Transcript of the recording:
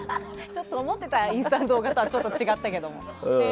ちょっと思っていたインスタの動画とは違っていたけども。